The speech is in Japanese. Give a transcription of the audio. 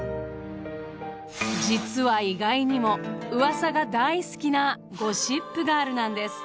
実は意外にもうわさが大好きなゴシップガールなんです。